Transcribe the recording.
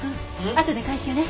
あとで回収ね。